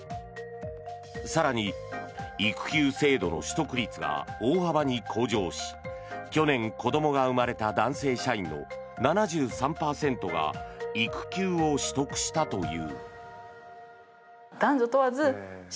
更に、育休制度の取得率が大幅に向上し去年、子どもが生まれた男性社員の７３％が育休を取得したという。